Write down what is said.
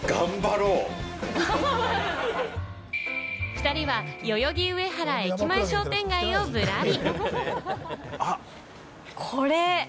２人は代々木上原駅前商店街をぶらり。